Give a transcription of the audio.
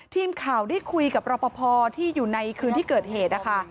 ทีมข่าวได้คุยกับรอปภที่อยู่ในคืนที่เกิดเหตุนะคะ